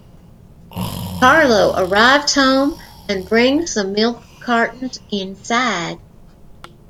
Carlo arrives home and brings the milk cartons inside.